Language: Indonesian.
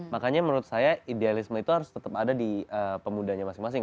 makanya menurut saya idealisme itu harus tetap ada di pemudanya masing masing